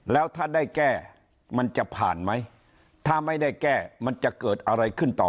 แล้วถ้าได้แก้มันจะผ่านไหมถ้าไม่ได้แก้มันจะเกิดอะไรขึ้นต่อ